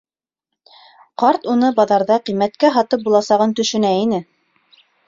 Ҡарт уны баҙарҙа ҡиммәткә һатып буласағын төшөнә ине.